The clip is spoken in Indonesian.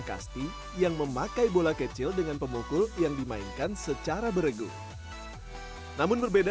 kasti yang memakai bola kecil dengan pemukul yang dimainkan secara beregu namun berbeda